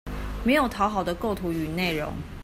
沒有討好的構圖與內容